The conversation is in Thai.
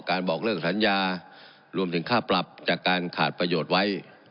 บอกเลิกสัญญารวมถึงค่าปรับจากการขาดประโยชน์ไว้